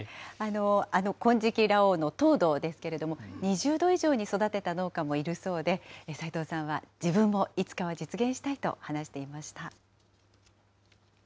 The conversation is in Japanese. あの金色羅皇の糖度ですけれども、２０度以上に育てた農家もいるそうで、齋藤さんは、自分もいつかは実現したいと話していました。